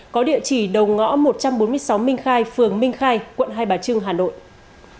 có địa chỉ đầu ngõ một trăm bốn mươi sáu minh khai phường minh khai quận hai bà trưng hà nội